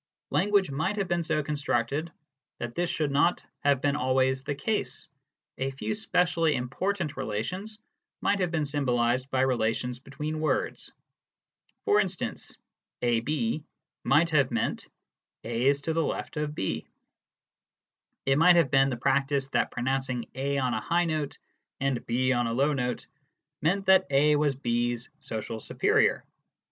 Language might have been so con structed that this should not have been always the case : a few specially important relations might have been symbolised by relations between words. For instance, "AB" might have meant "A is to the left of B." It might have been the practice that pronouncing A on a high note and B on a low note meant that A was B's social superior.